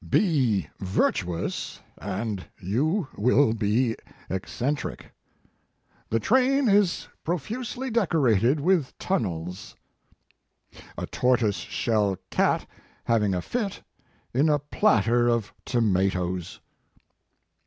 "Be virtuous and you will be eccen tric." "The train is profusely decorated with tunnels." "A tortoise shell cat having a fit in a platter of tomatoes."